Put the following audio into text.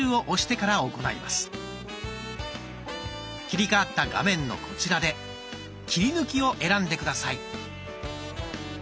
切り替わった画面のこちらで「切り抜き」を選んで下さい。